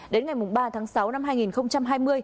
đến ngày ba tháng sáu năm hai nghìn hai mươi